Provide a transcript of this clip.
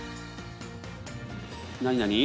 何何？